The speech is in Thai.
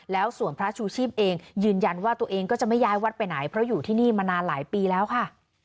แล้วส่วนพระชูชีพเองยืนยันว่าตัวเองก็จะไม่ย้ายวัดไปไหนเพราะอยู่ที่นี่มานานหลายปีแล้วค่ะ